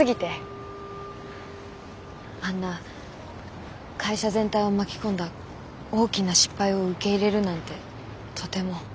あんな会社全体を巻き込んだ大きな失敗を受け入れるなんてとても。